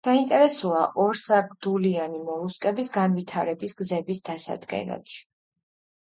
საინტერესოა ორსაგდულიანი მოლუსკების განვითარების გზების დასადგენად.